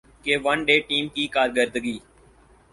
کہ one day team کی کارکردگی